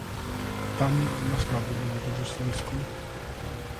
Там, справді було дуже слизько.